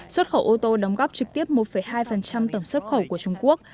xuất khẩu ô tô đóng góp trực tiếp một hai tổng xuất khẩu của trung quốc